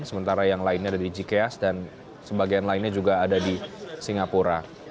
sementara yang lainnya ada di jikeas dan sebagian lainnya juga ada di singapura